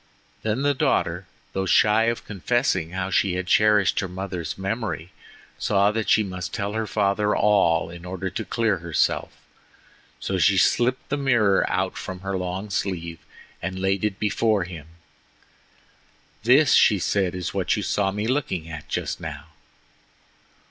Then the daughter, though shy of confessing how she had cherished her mother's memory, saw that she must tell her father all in order to clear herself. So she slipped the mirror out from her long sleeve and laid it before him. "This," she said, "is what you saw me looking at just now."